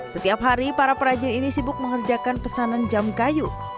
setiap hari para perajin ini sibuk mengerjakan pesanan jam kayu